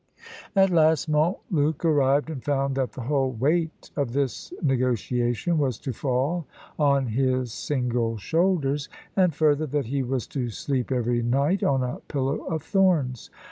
At last Montluc arrived, and found that the whole weight of this negotiation was to fall on his single shoulders; and further, that he was to sleep every night on a pillow of thorns.